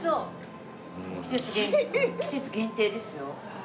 季節限定ですよ。